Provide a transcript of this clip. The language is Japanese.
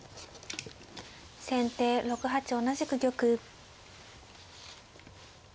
先手６八同じく玉。